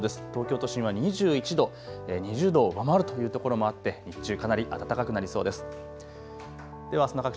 東京都心は２１度、２０度を上回るというところもあって日中かなり暖かくなりそうです。